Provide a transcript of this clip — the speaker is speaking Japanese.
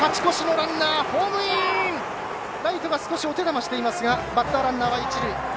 ライトがお手玉していますがバッターランナーは一塁。